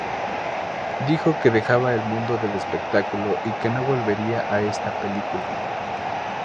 Dijo que dejaba el mundo del espectáculo y que no volvería a esta película.